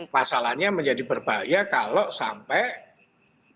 pasalnya menjadi berbahaya kalau sampai